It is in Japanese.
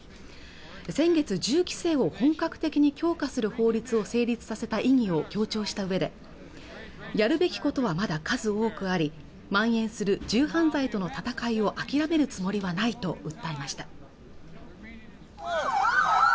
先月銃規制を本格的に強化する法律を成立させた意義を強調したうえでやるべきことはまだ数多くありまん延する銃犯罪との戦いを諦めるつもりはないと訴えました